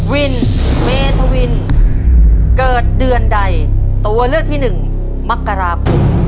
วินเมธวินเกิดเดือนใดตัวเลือกที่หนึ่งมกราคม